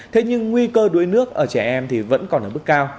thế nhưng nguy cơ đuối nước ở trẻ em vẫn còn ở bức cao